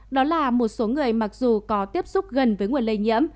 đó là một số người mặc dù có tiếp xúc gần với nguồn lây nhiễm